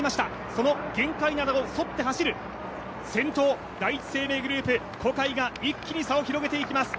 その玄界灘を沿って走る、先頭・第一生命グループの小海が一気に差を広げていきます。